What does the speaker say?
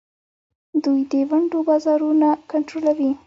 دوی د ونډو بازارونه کنټرولوي.